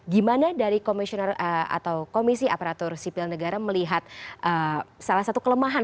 gimana dari komisioner atau komisi aparatur sipil negara melihat salah satu kelemahan